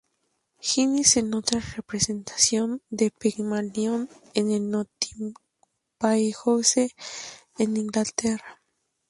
Higgins" en otra representación de Pigmalión en el Nottingham Playhouse, en Inglaterra.